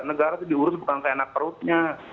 negara itu diurus bukan seenak perutnya